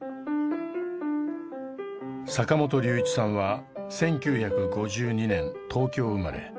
坂本龍一さんは１９５２年東京生まれ。